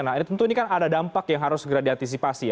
nah ini tentu ini kan ada dampak yang harus segera diantisipasi ya